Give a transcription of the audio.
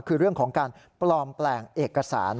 คือเรื่องของการปลอมแปลงเอกสาร